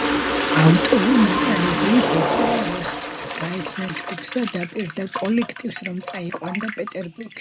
ავტორი მატარებლით ეწვია როსტოვს, გაეცნო ჯგუფს და დაპირდა კოლექტივს, რომ წაიყვანდა პეტროგრადში.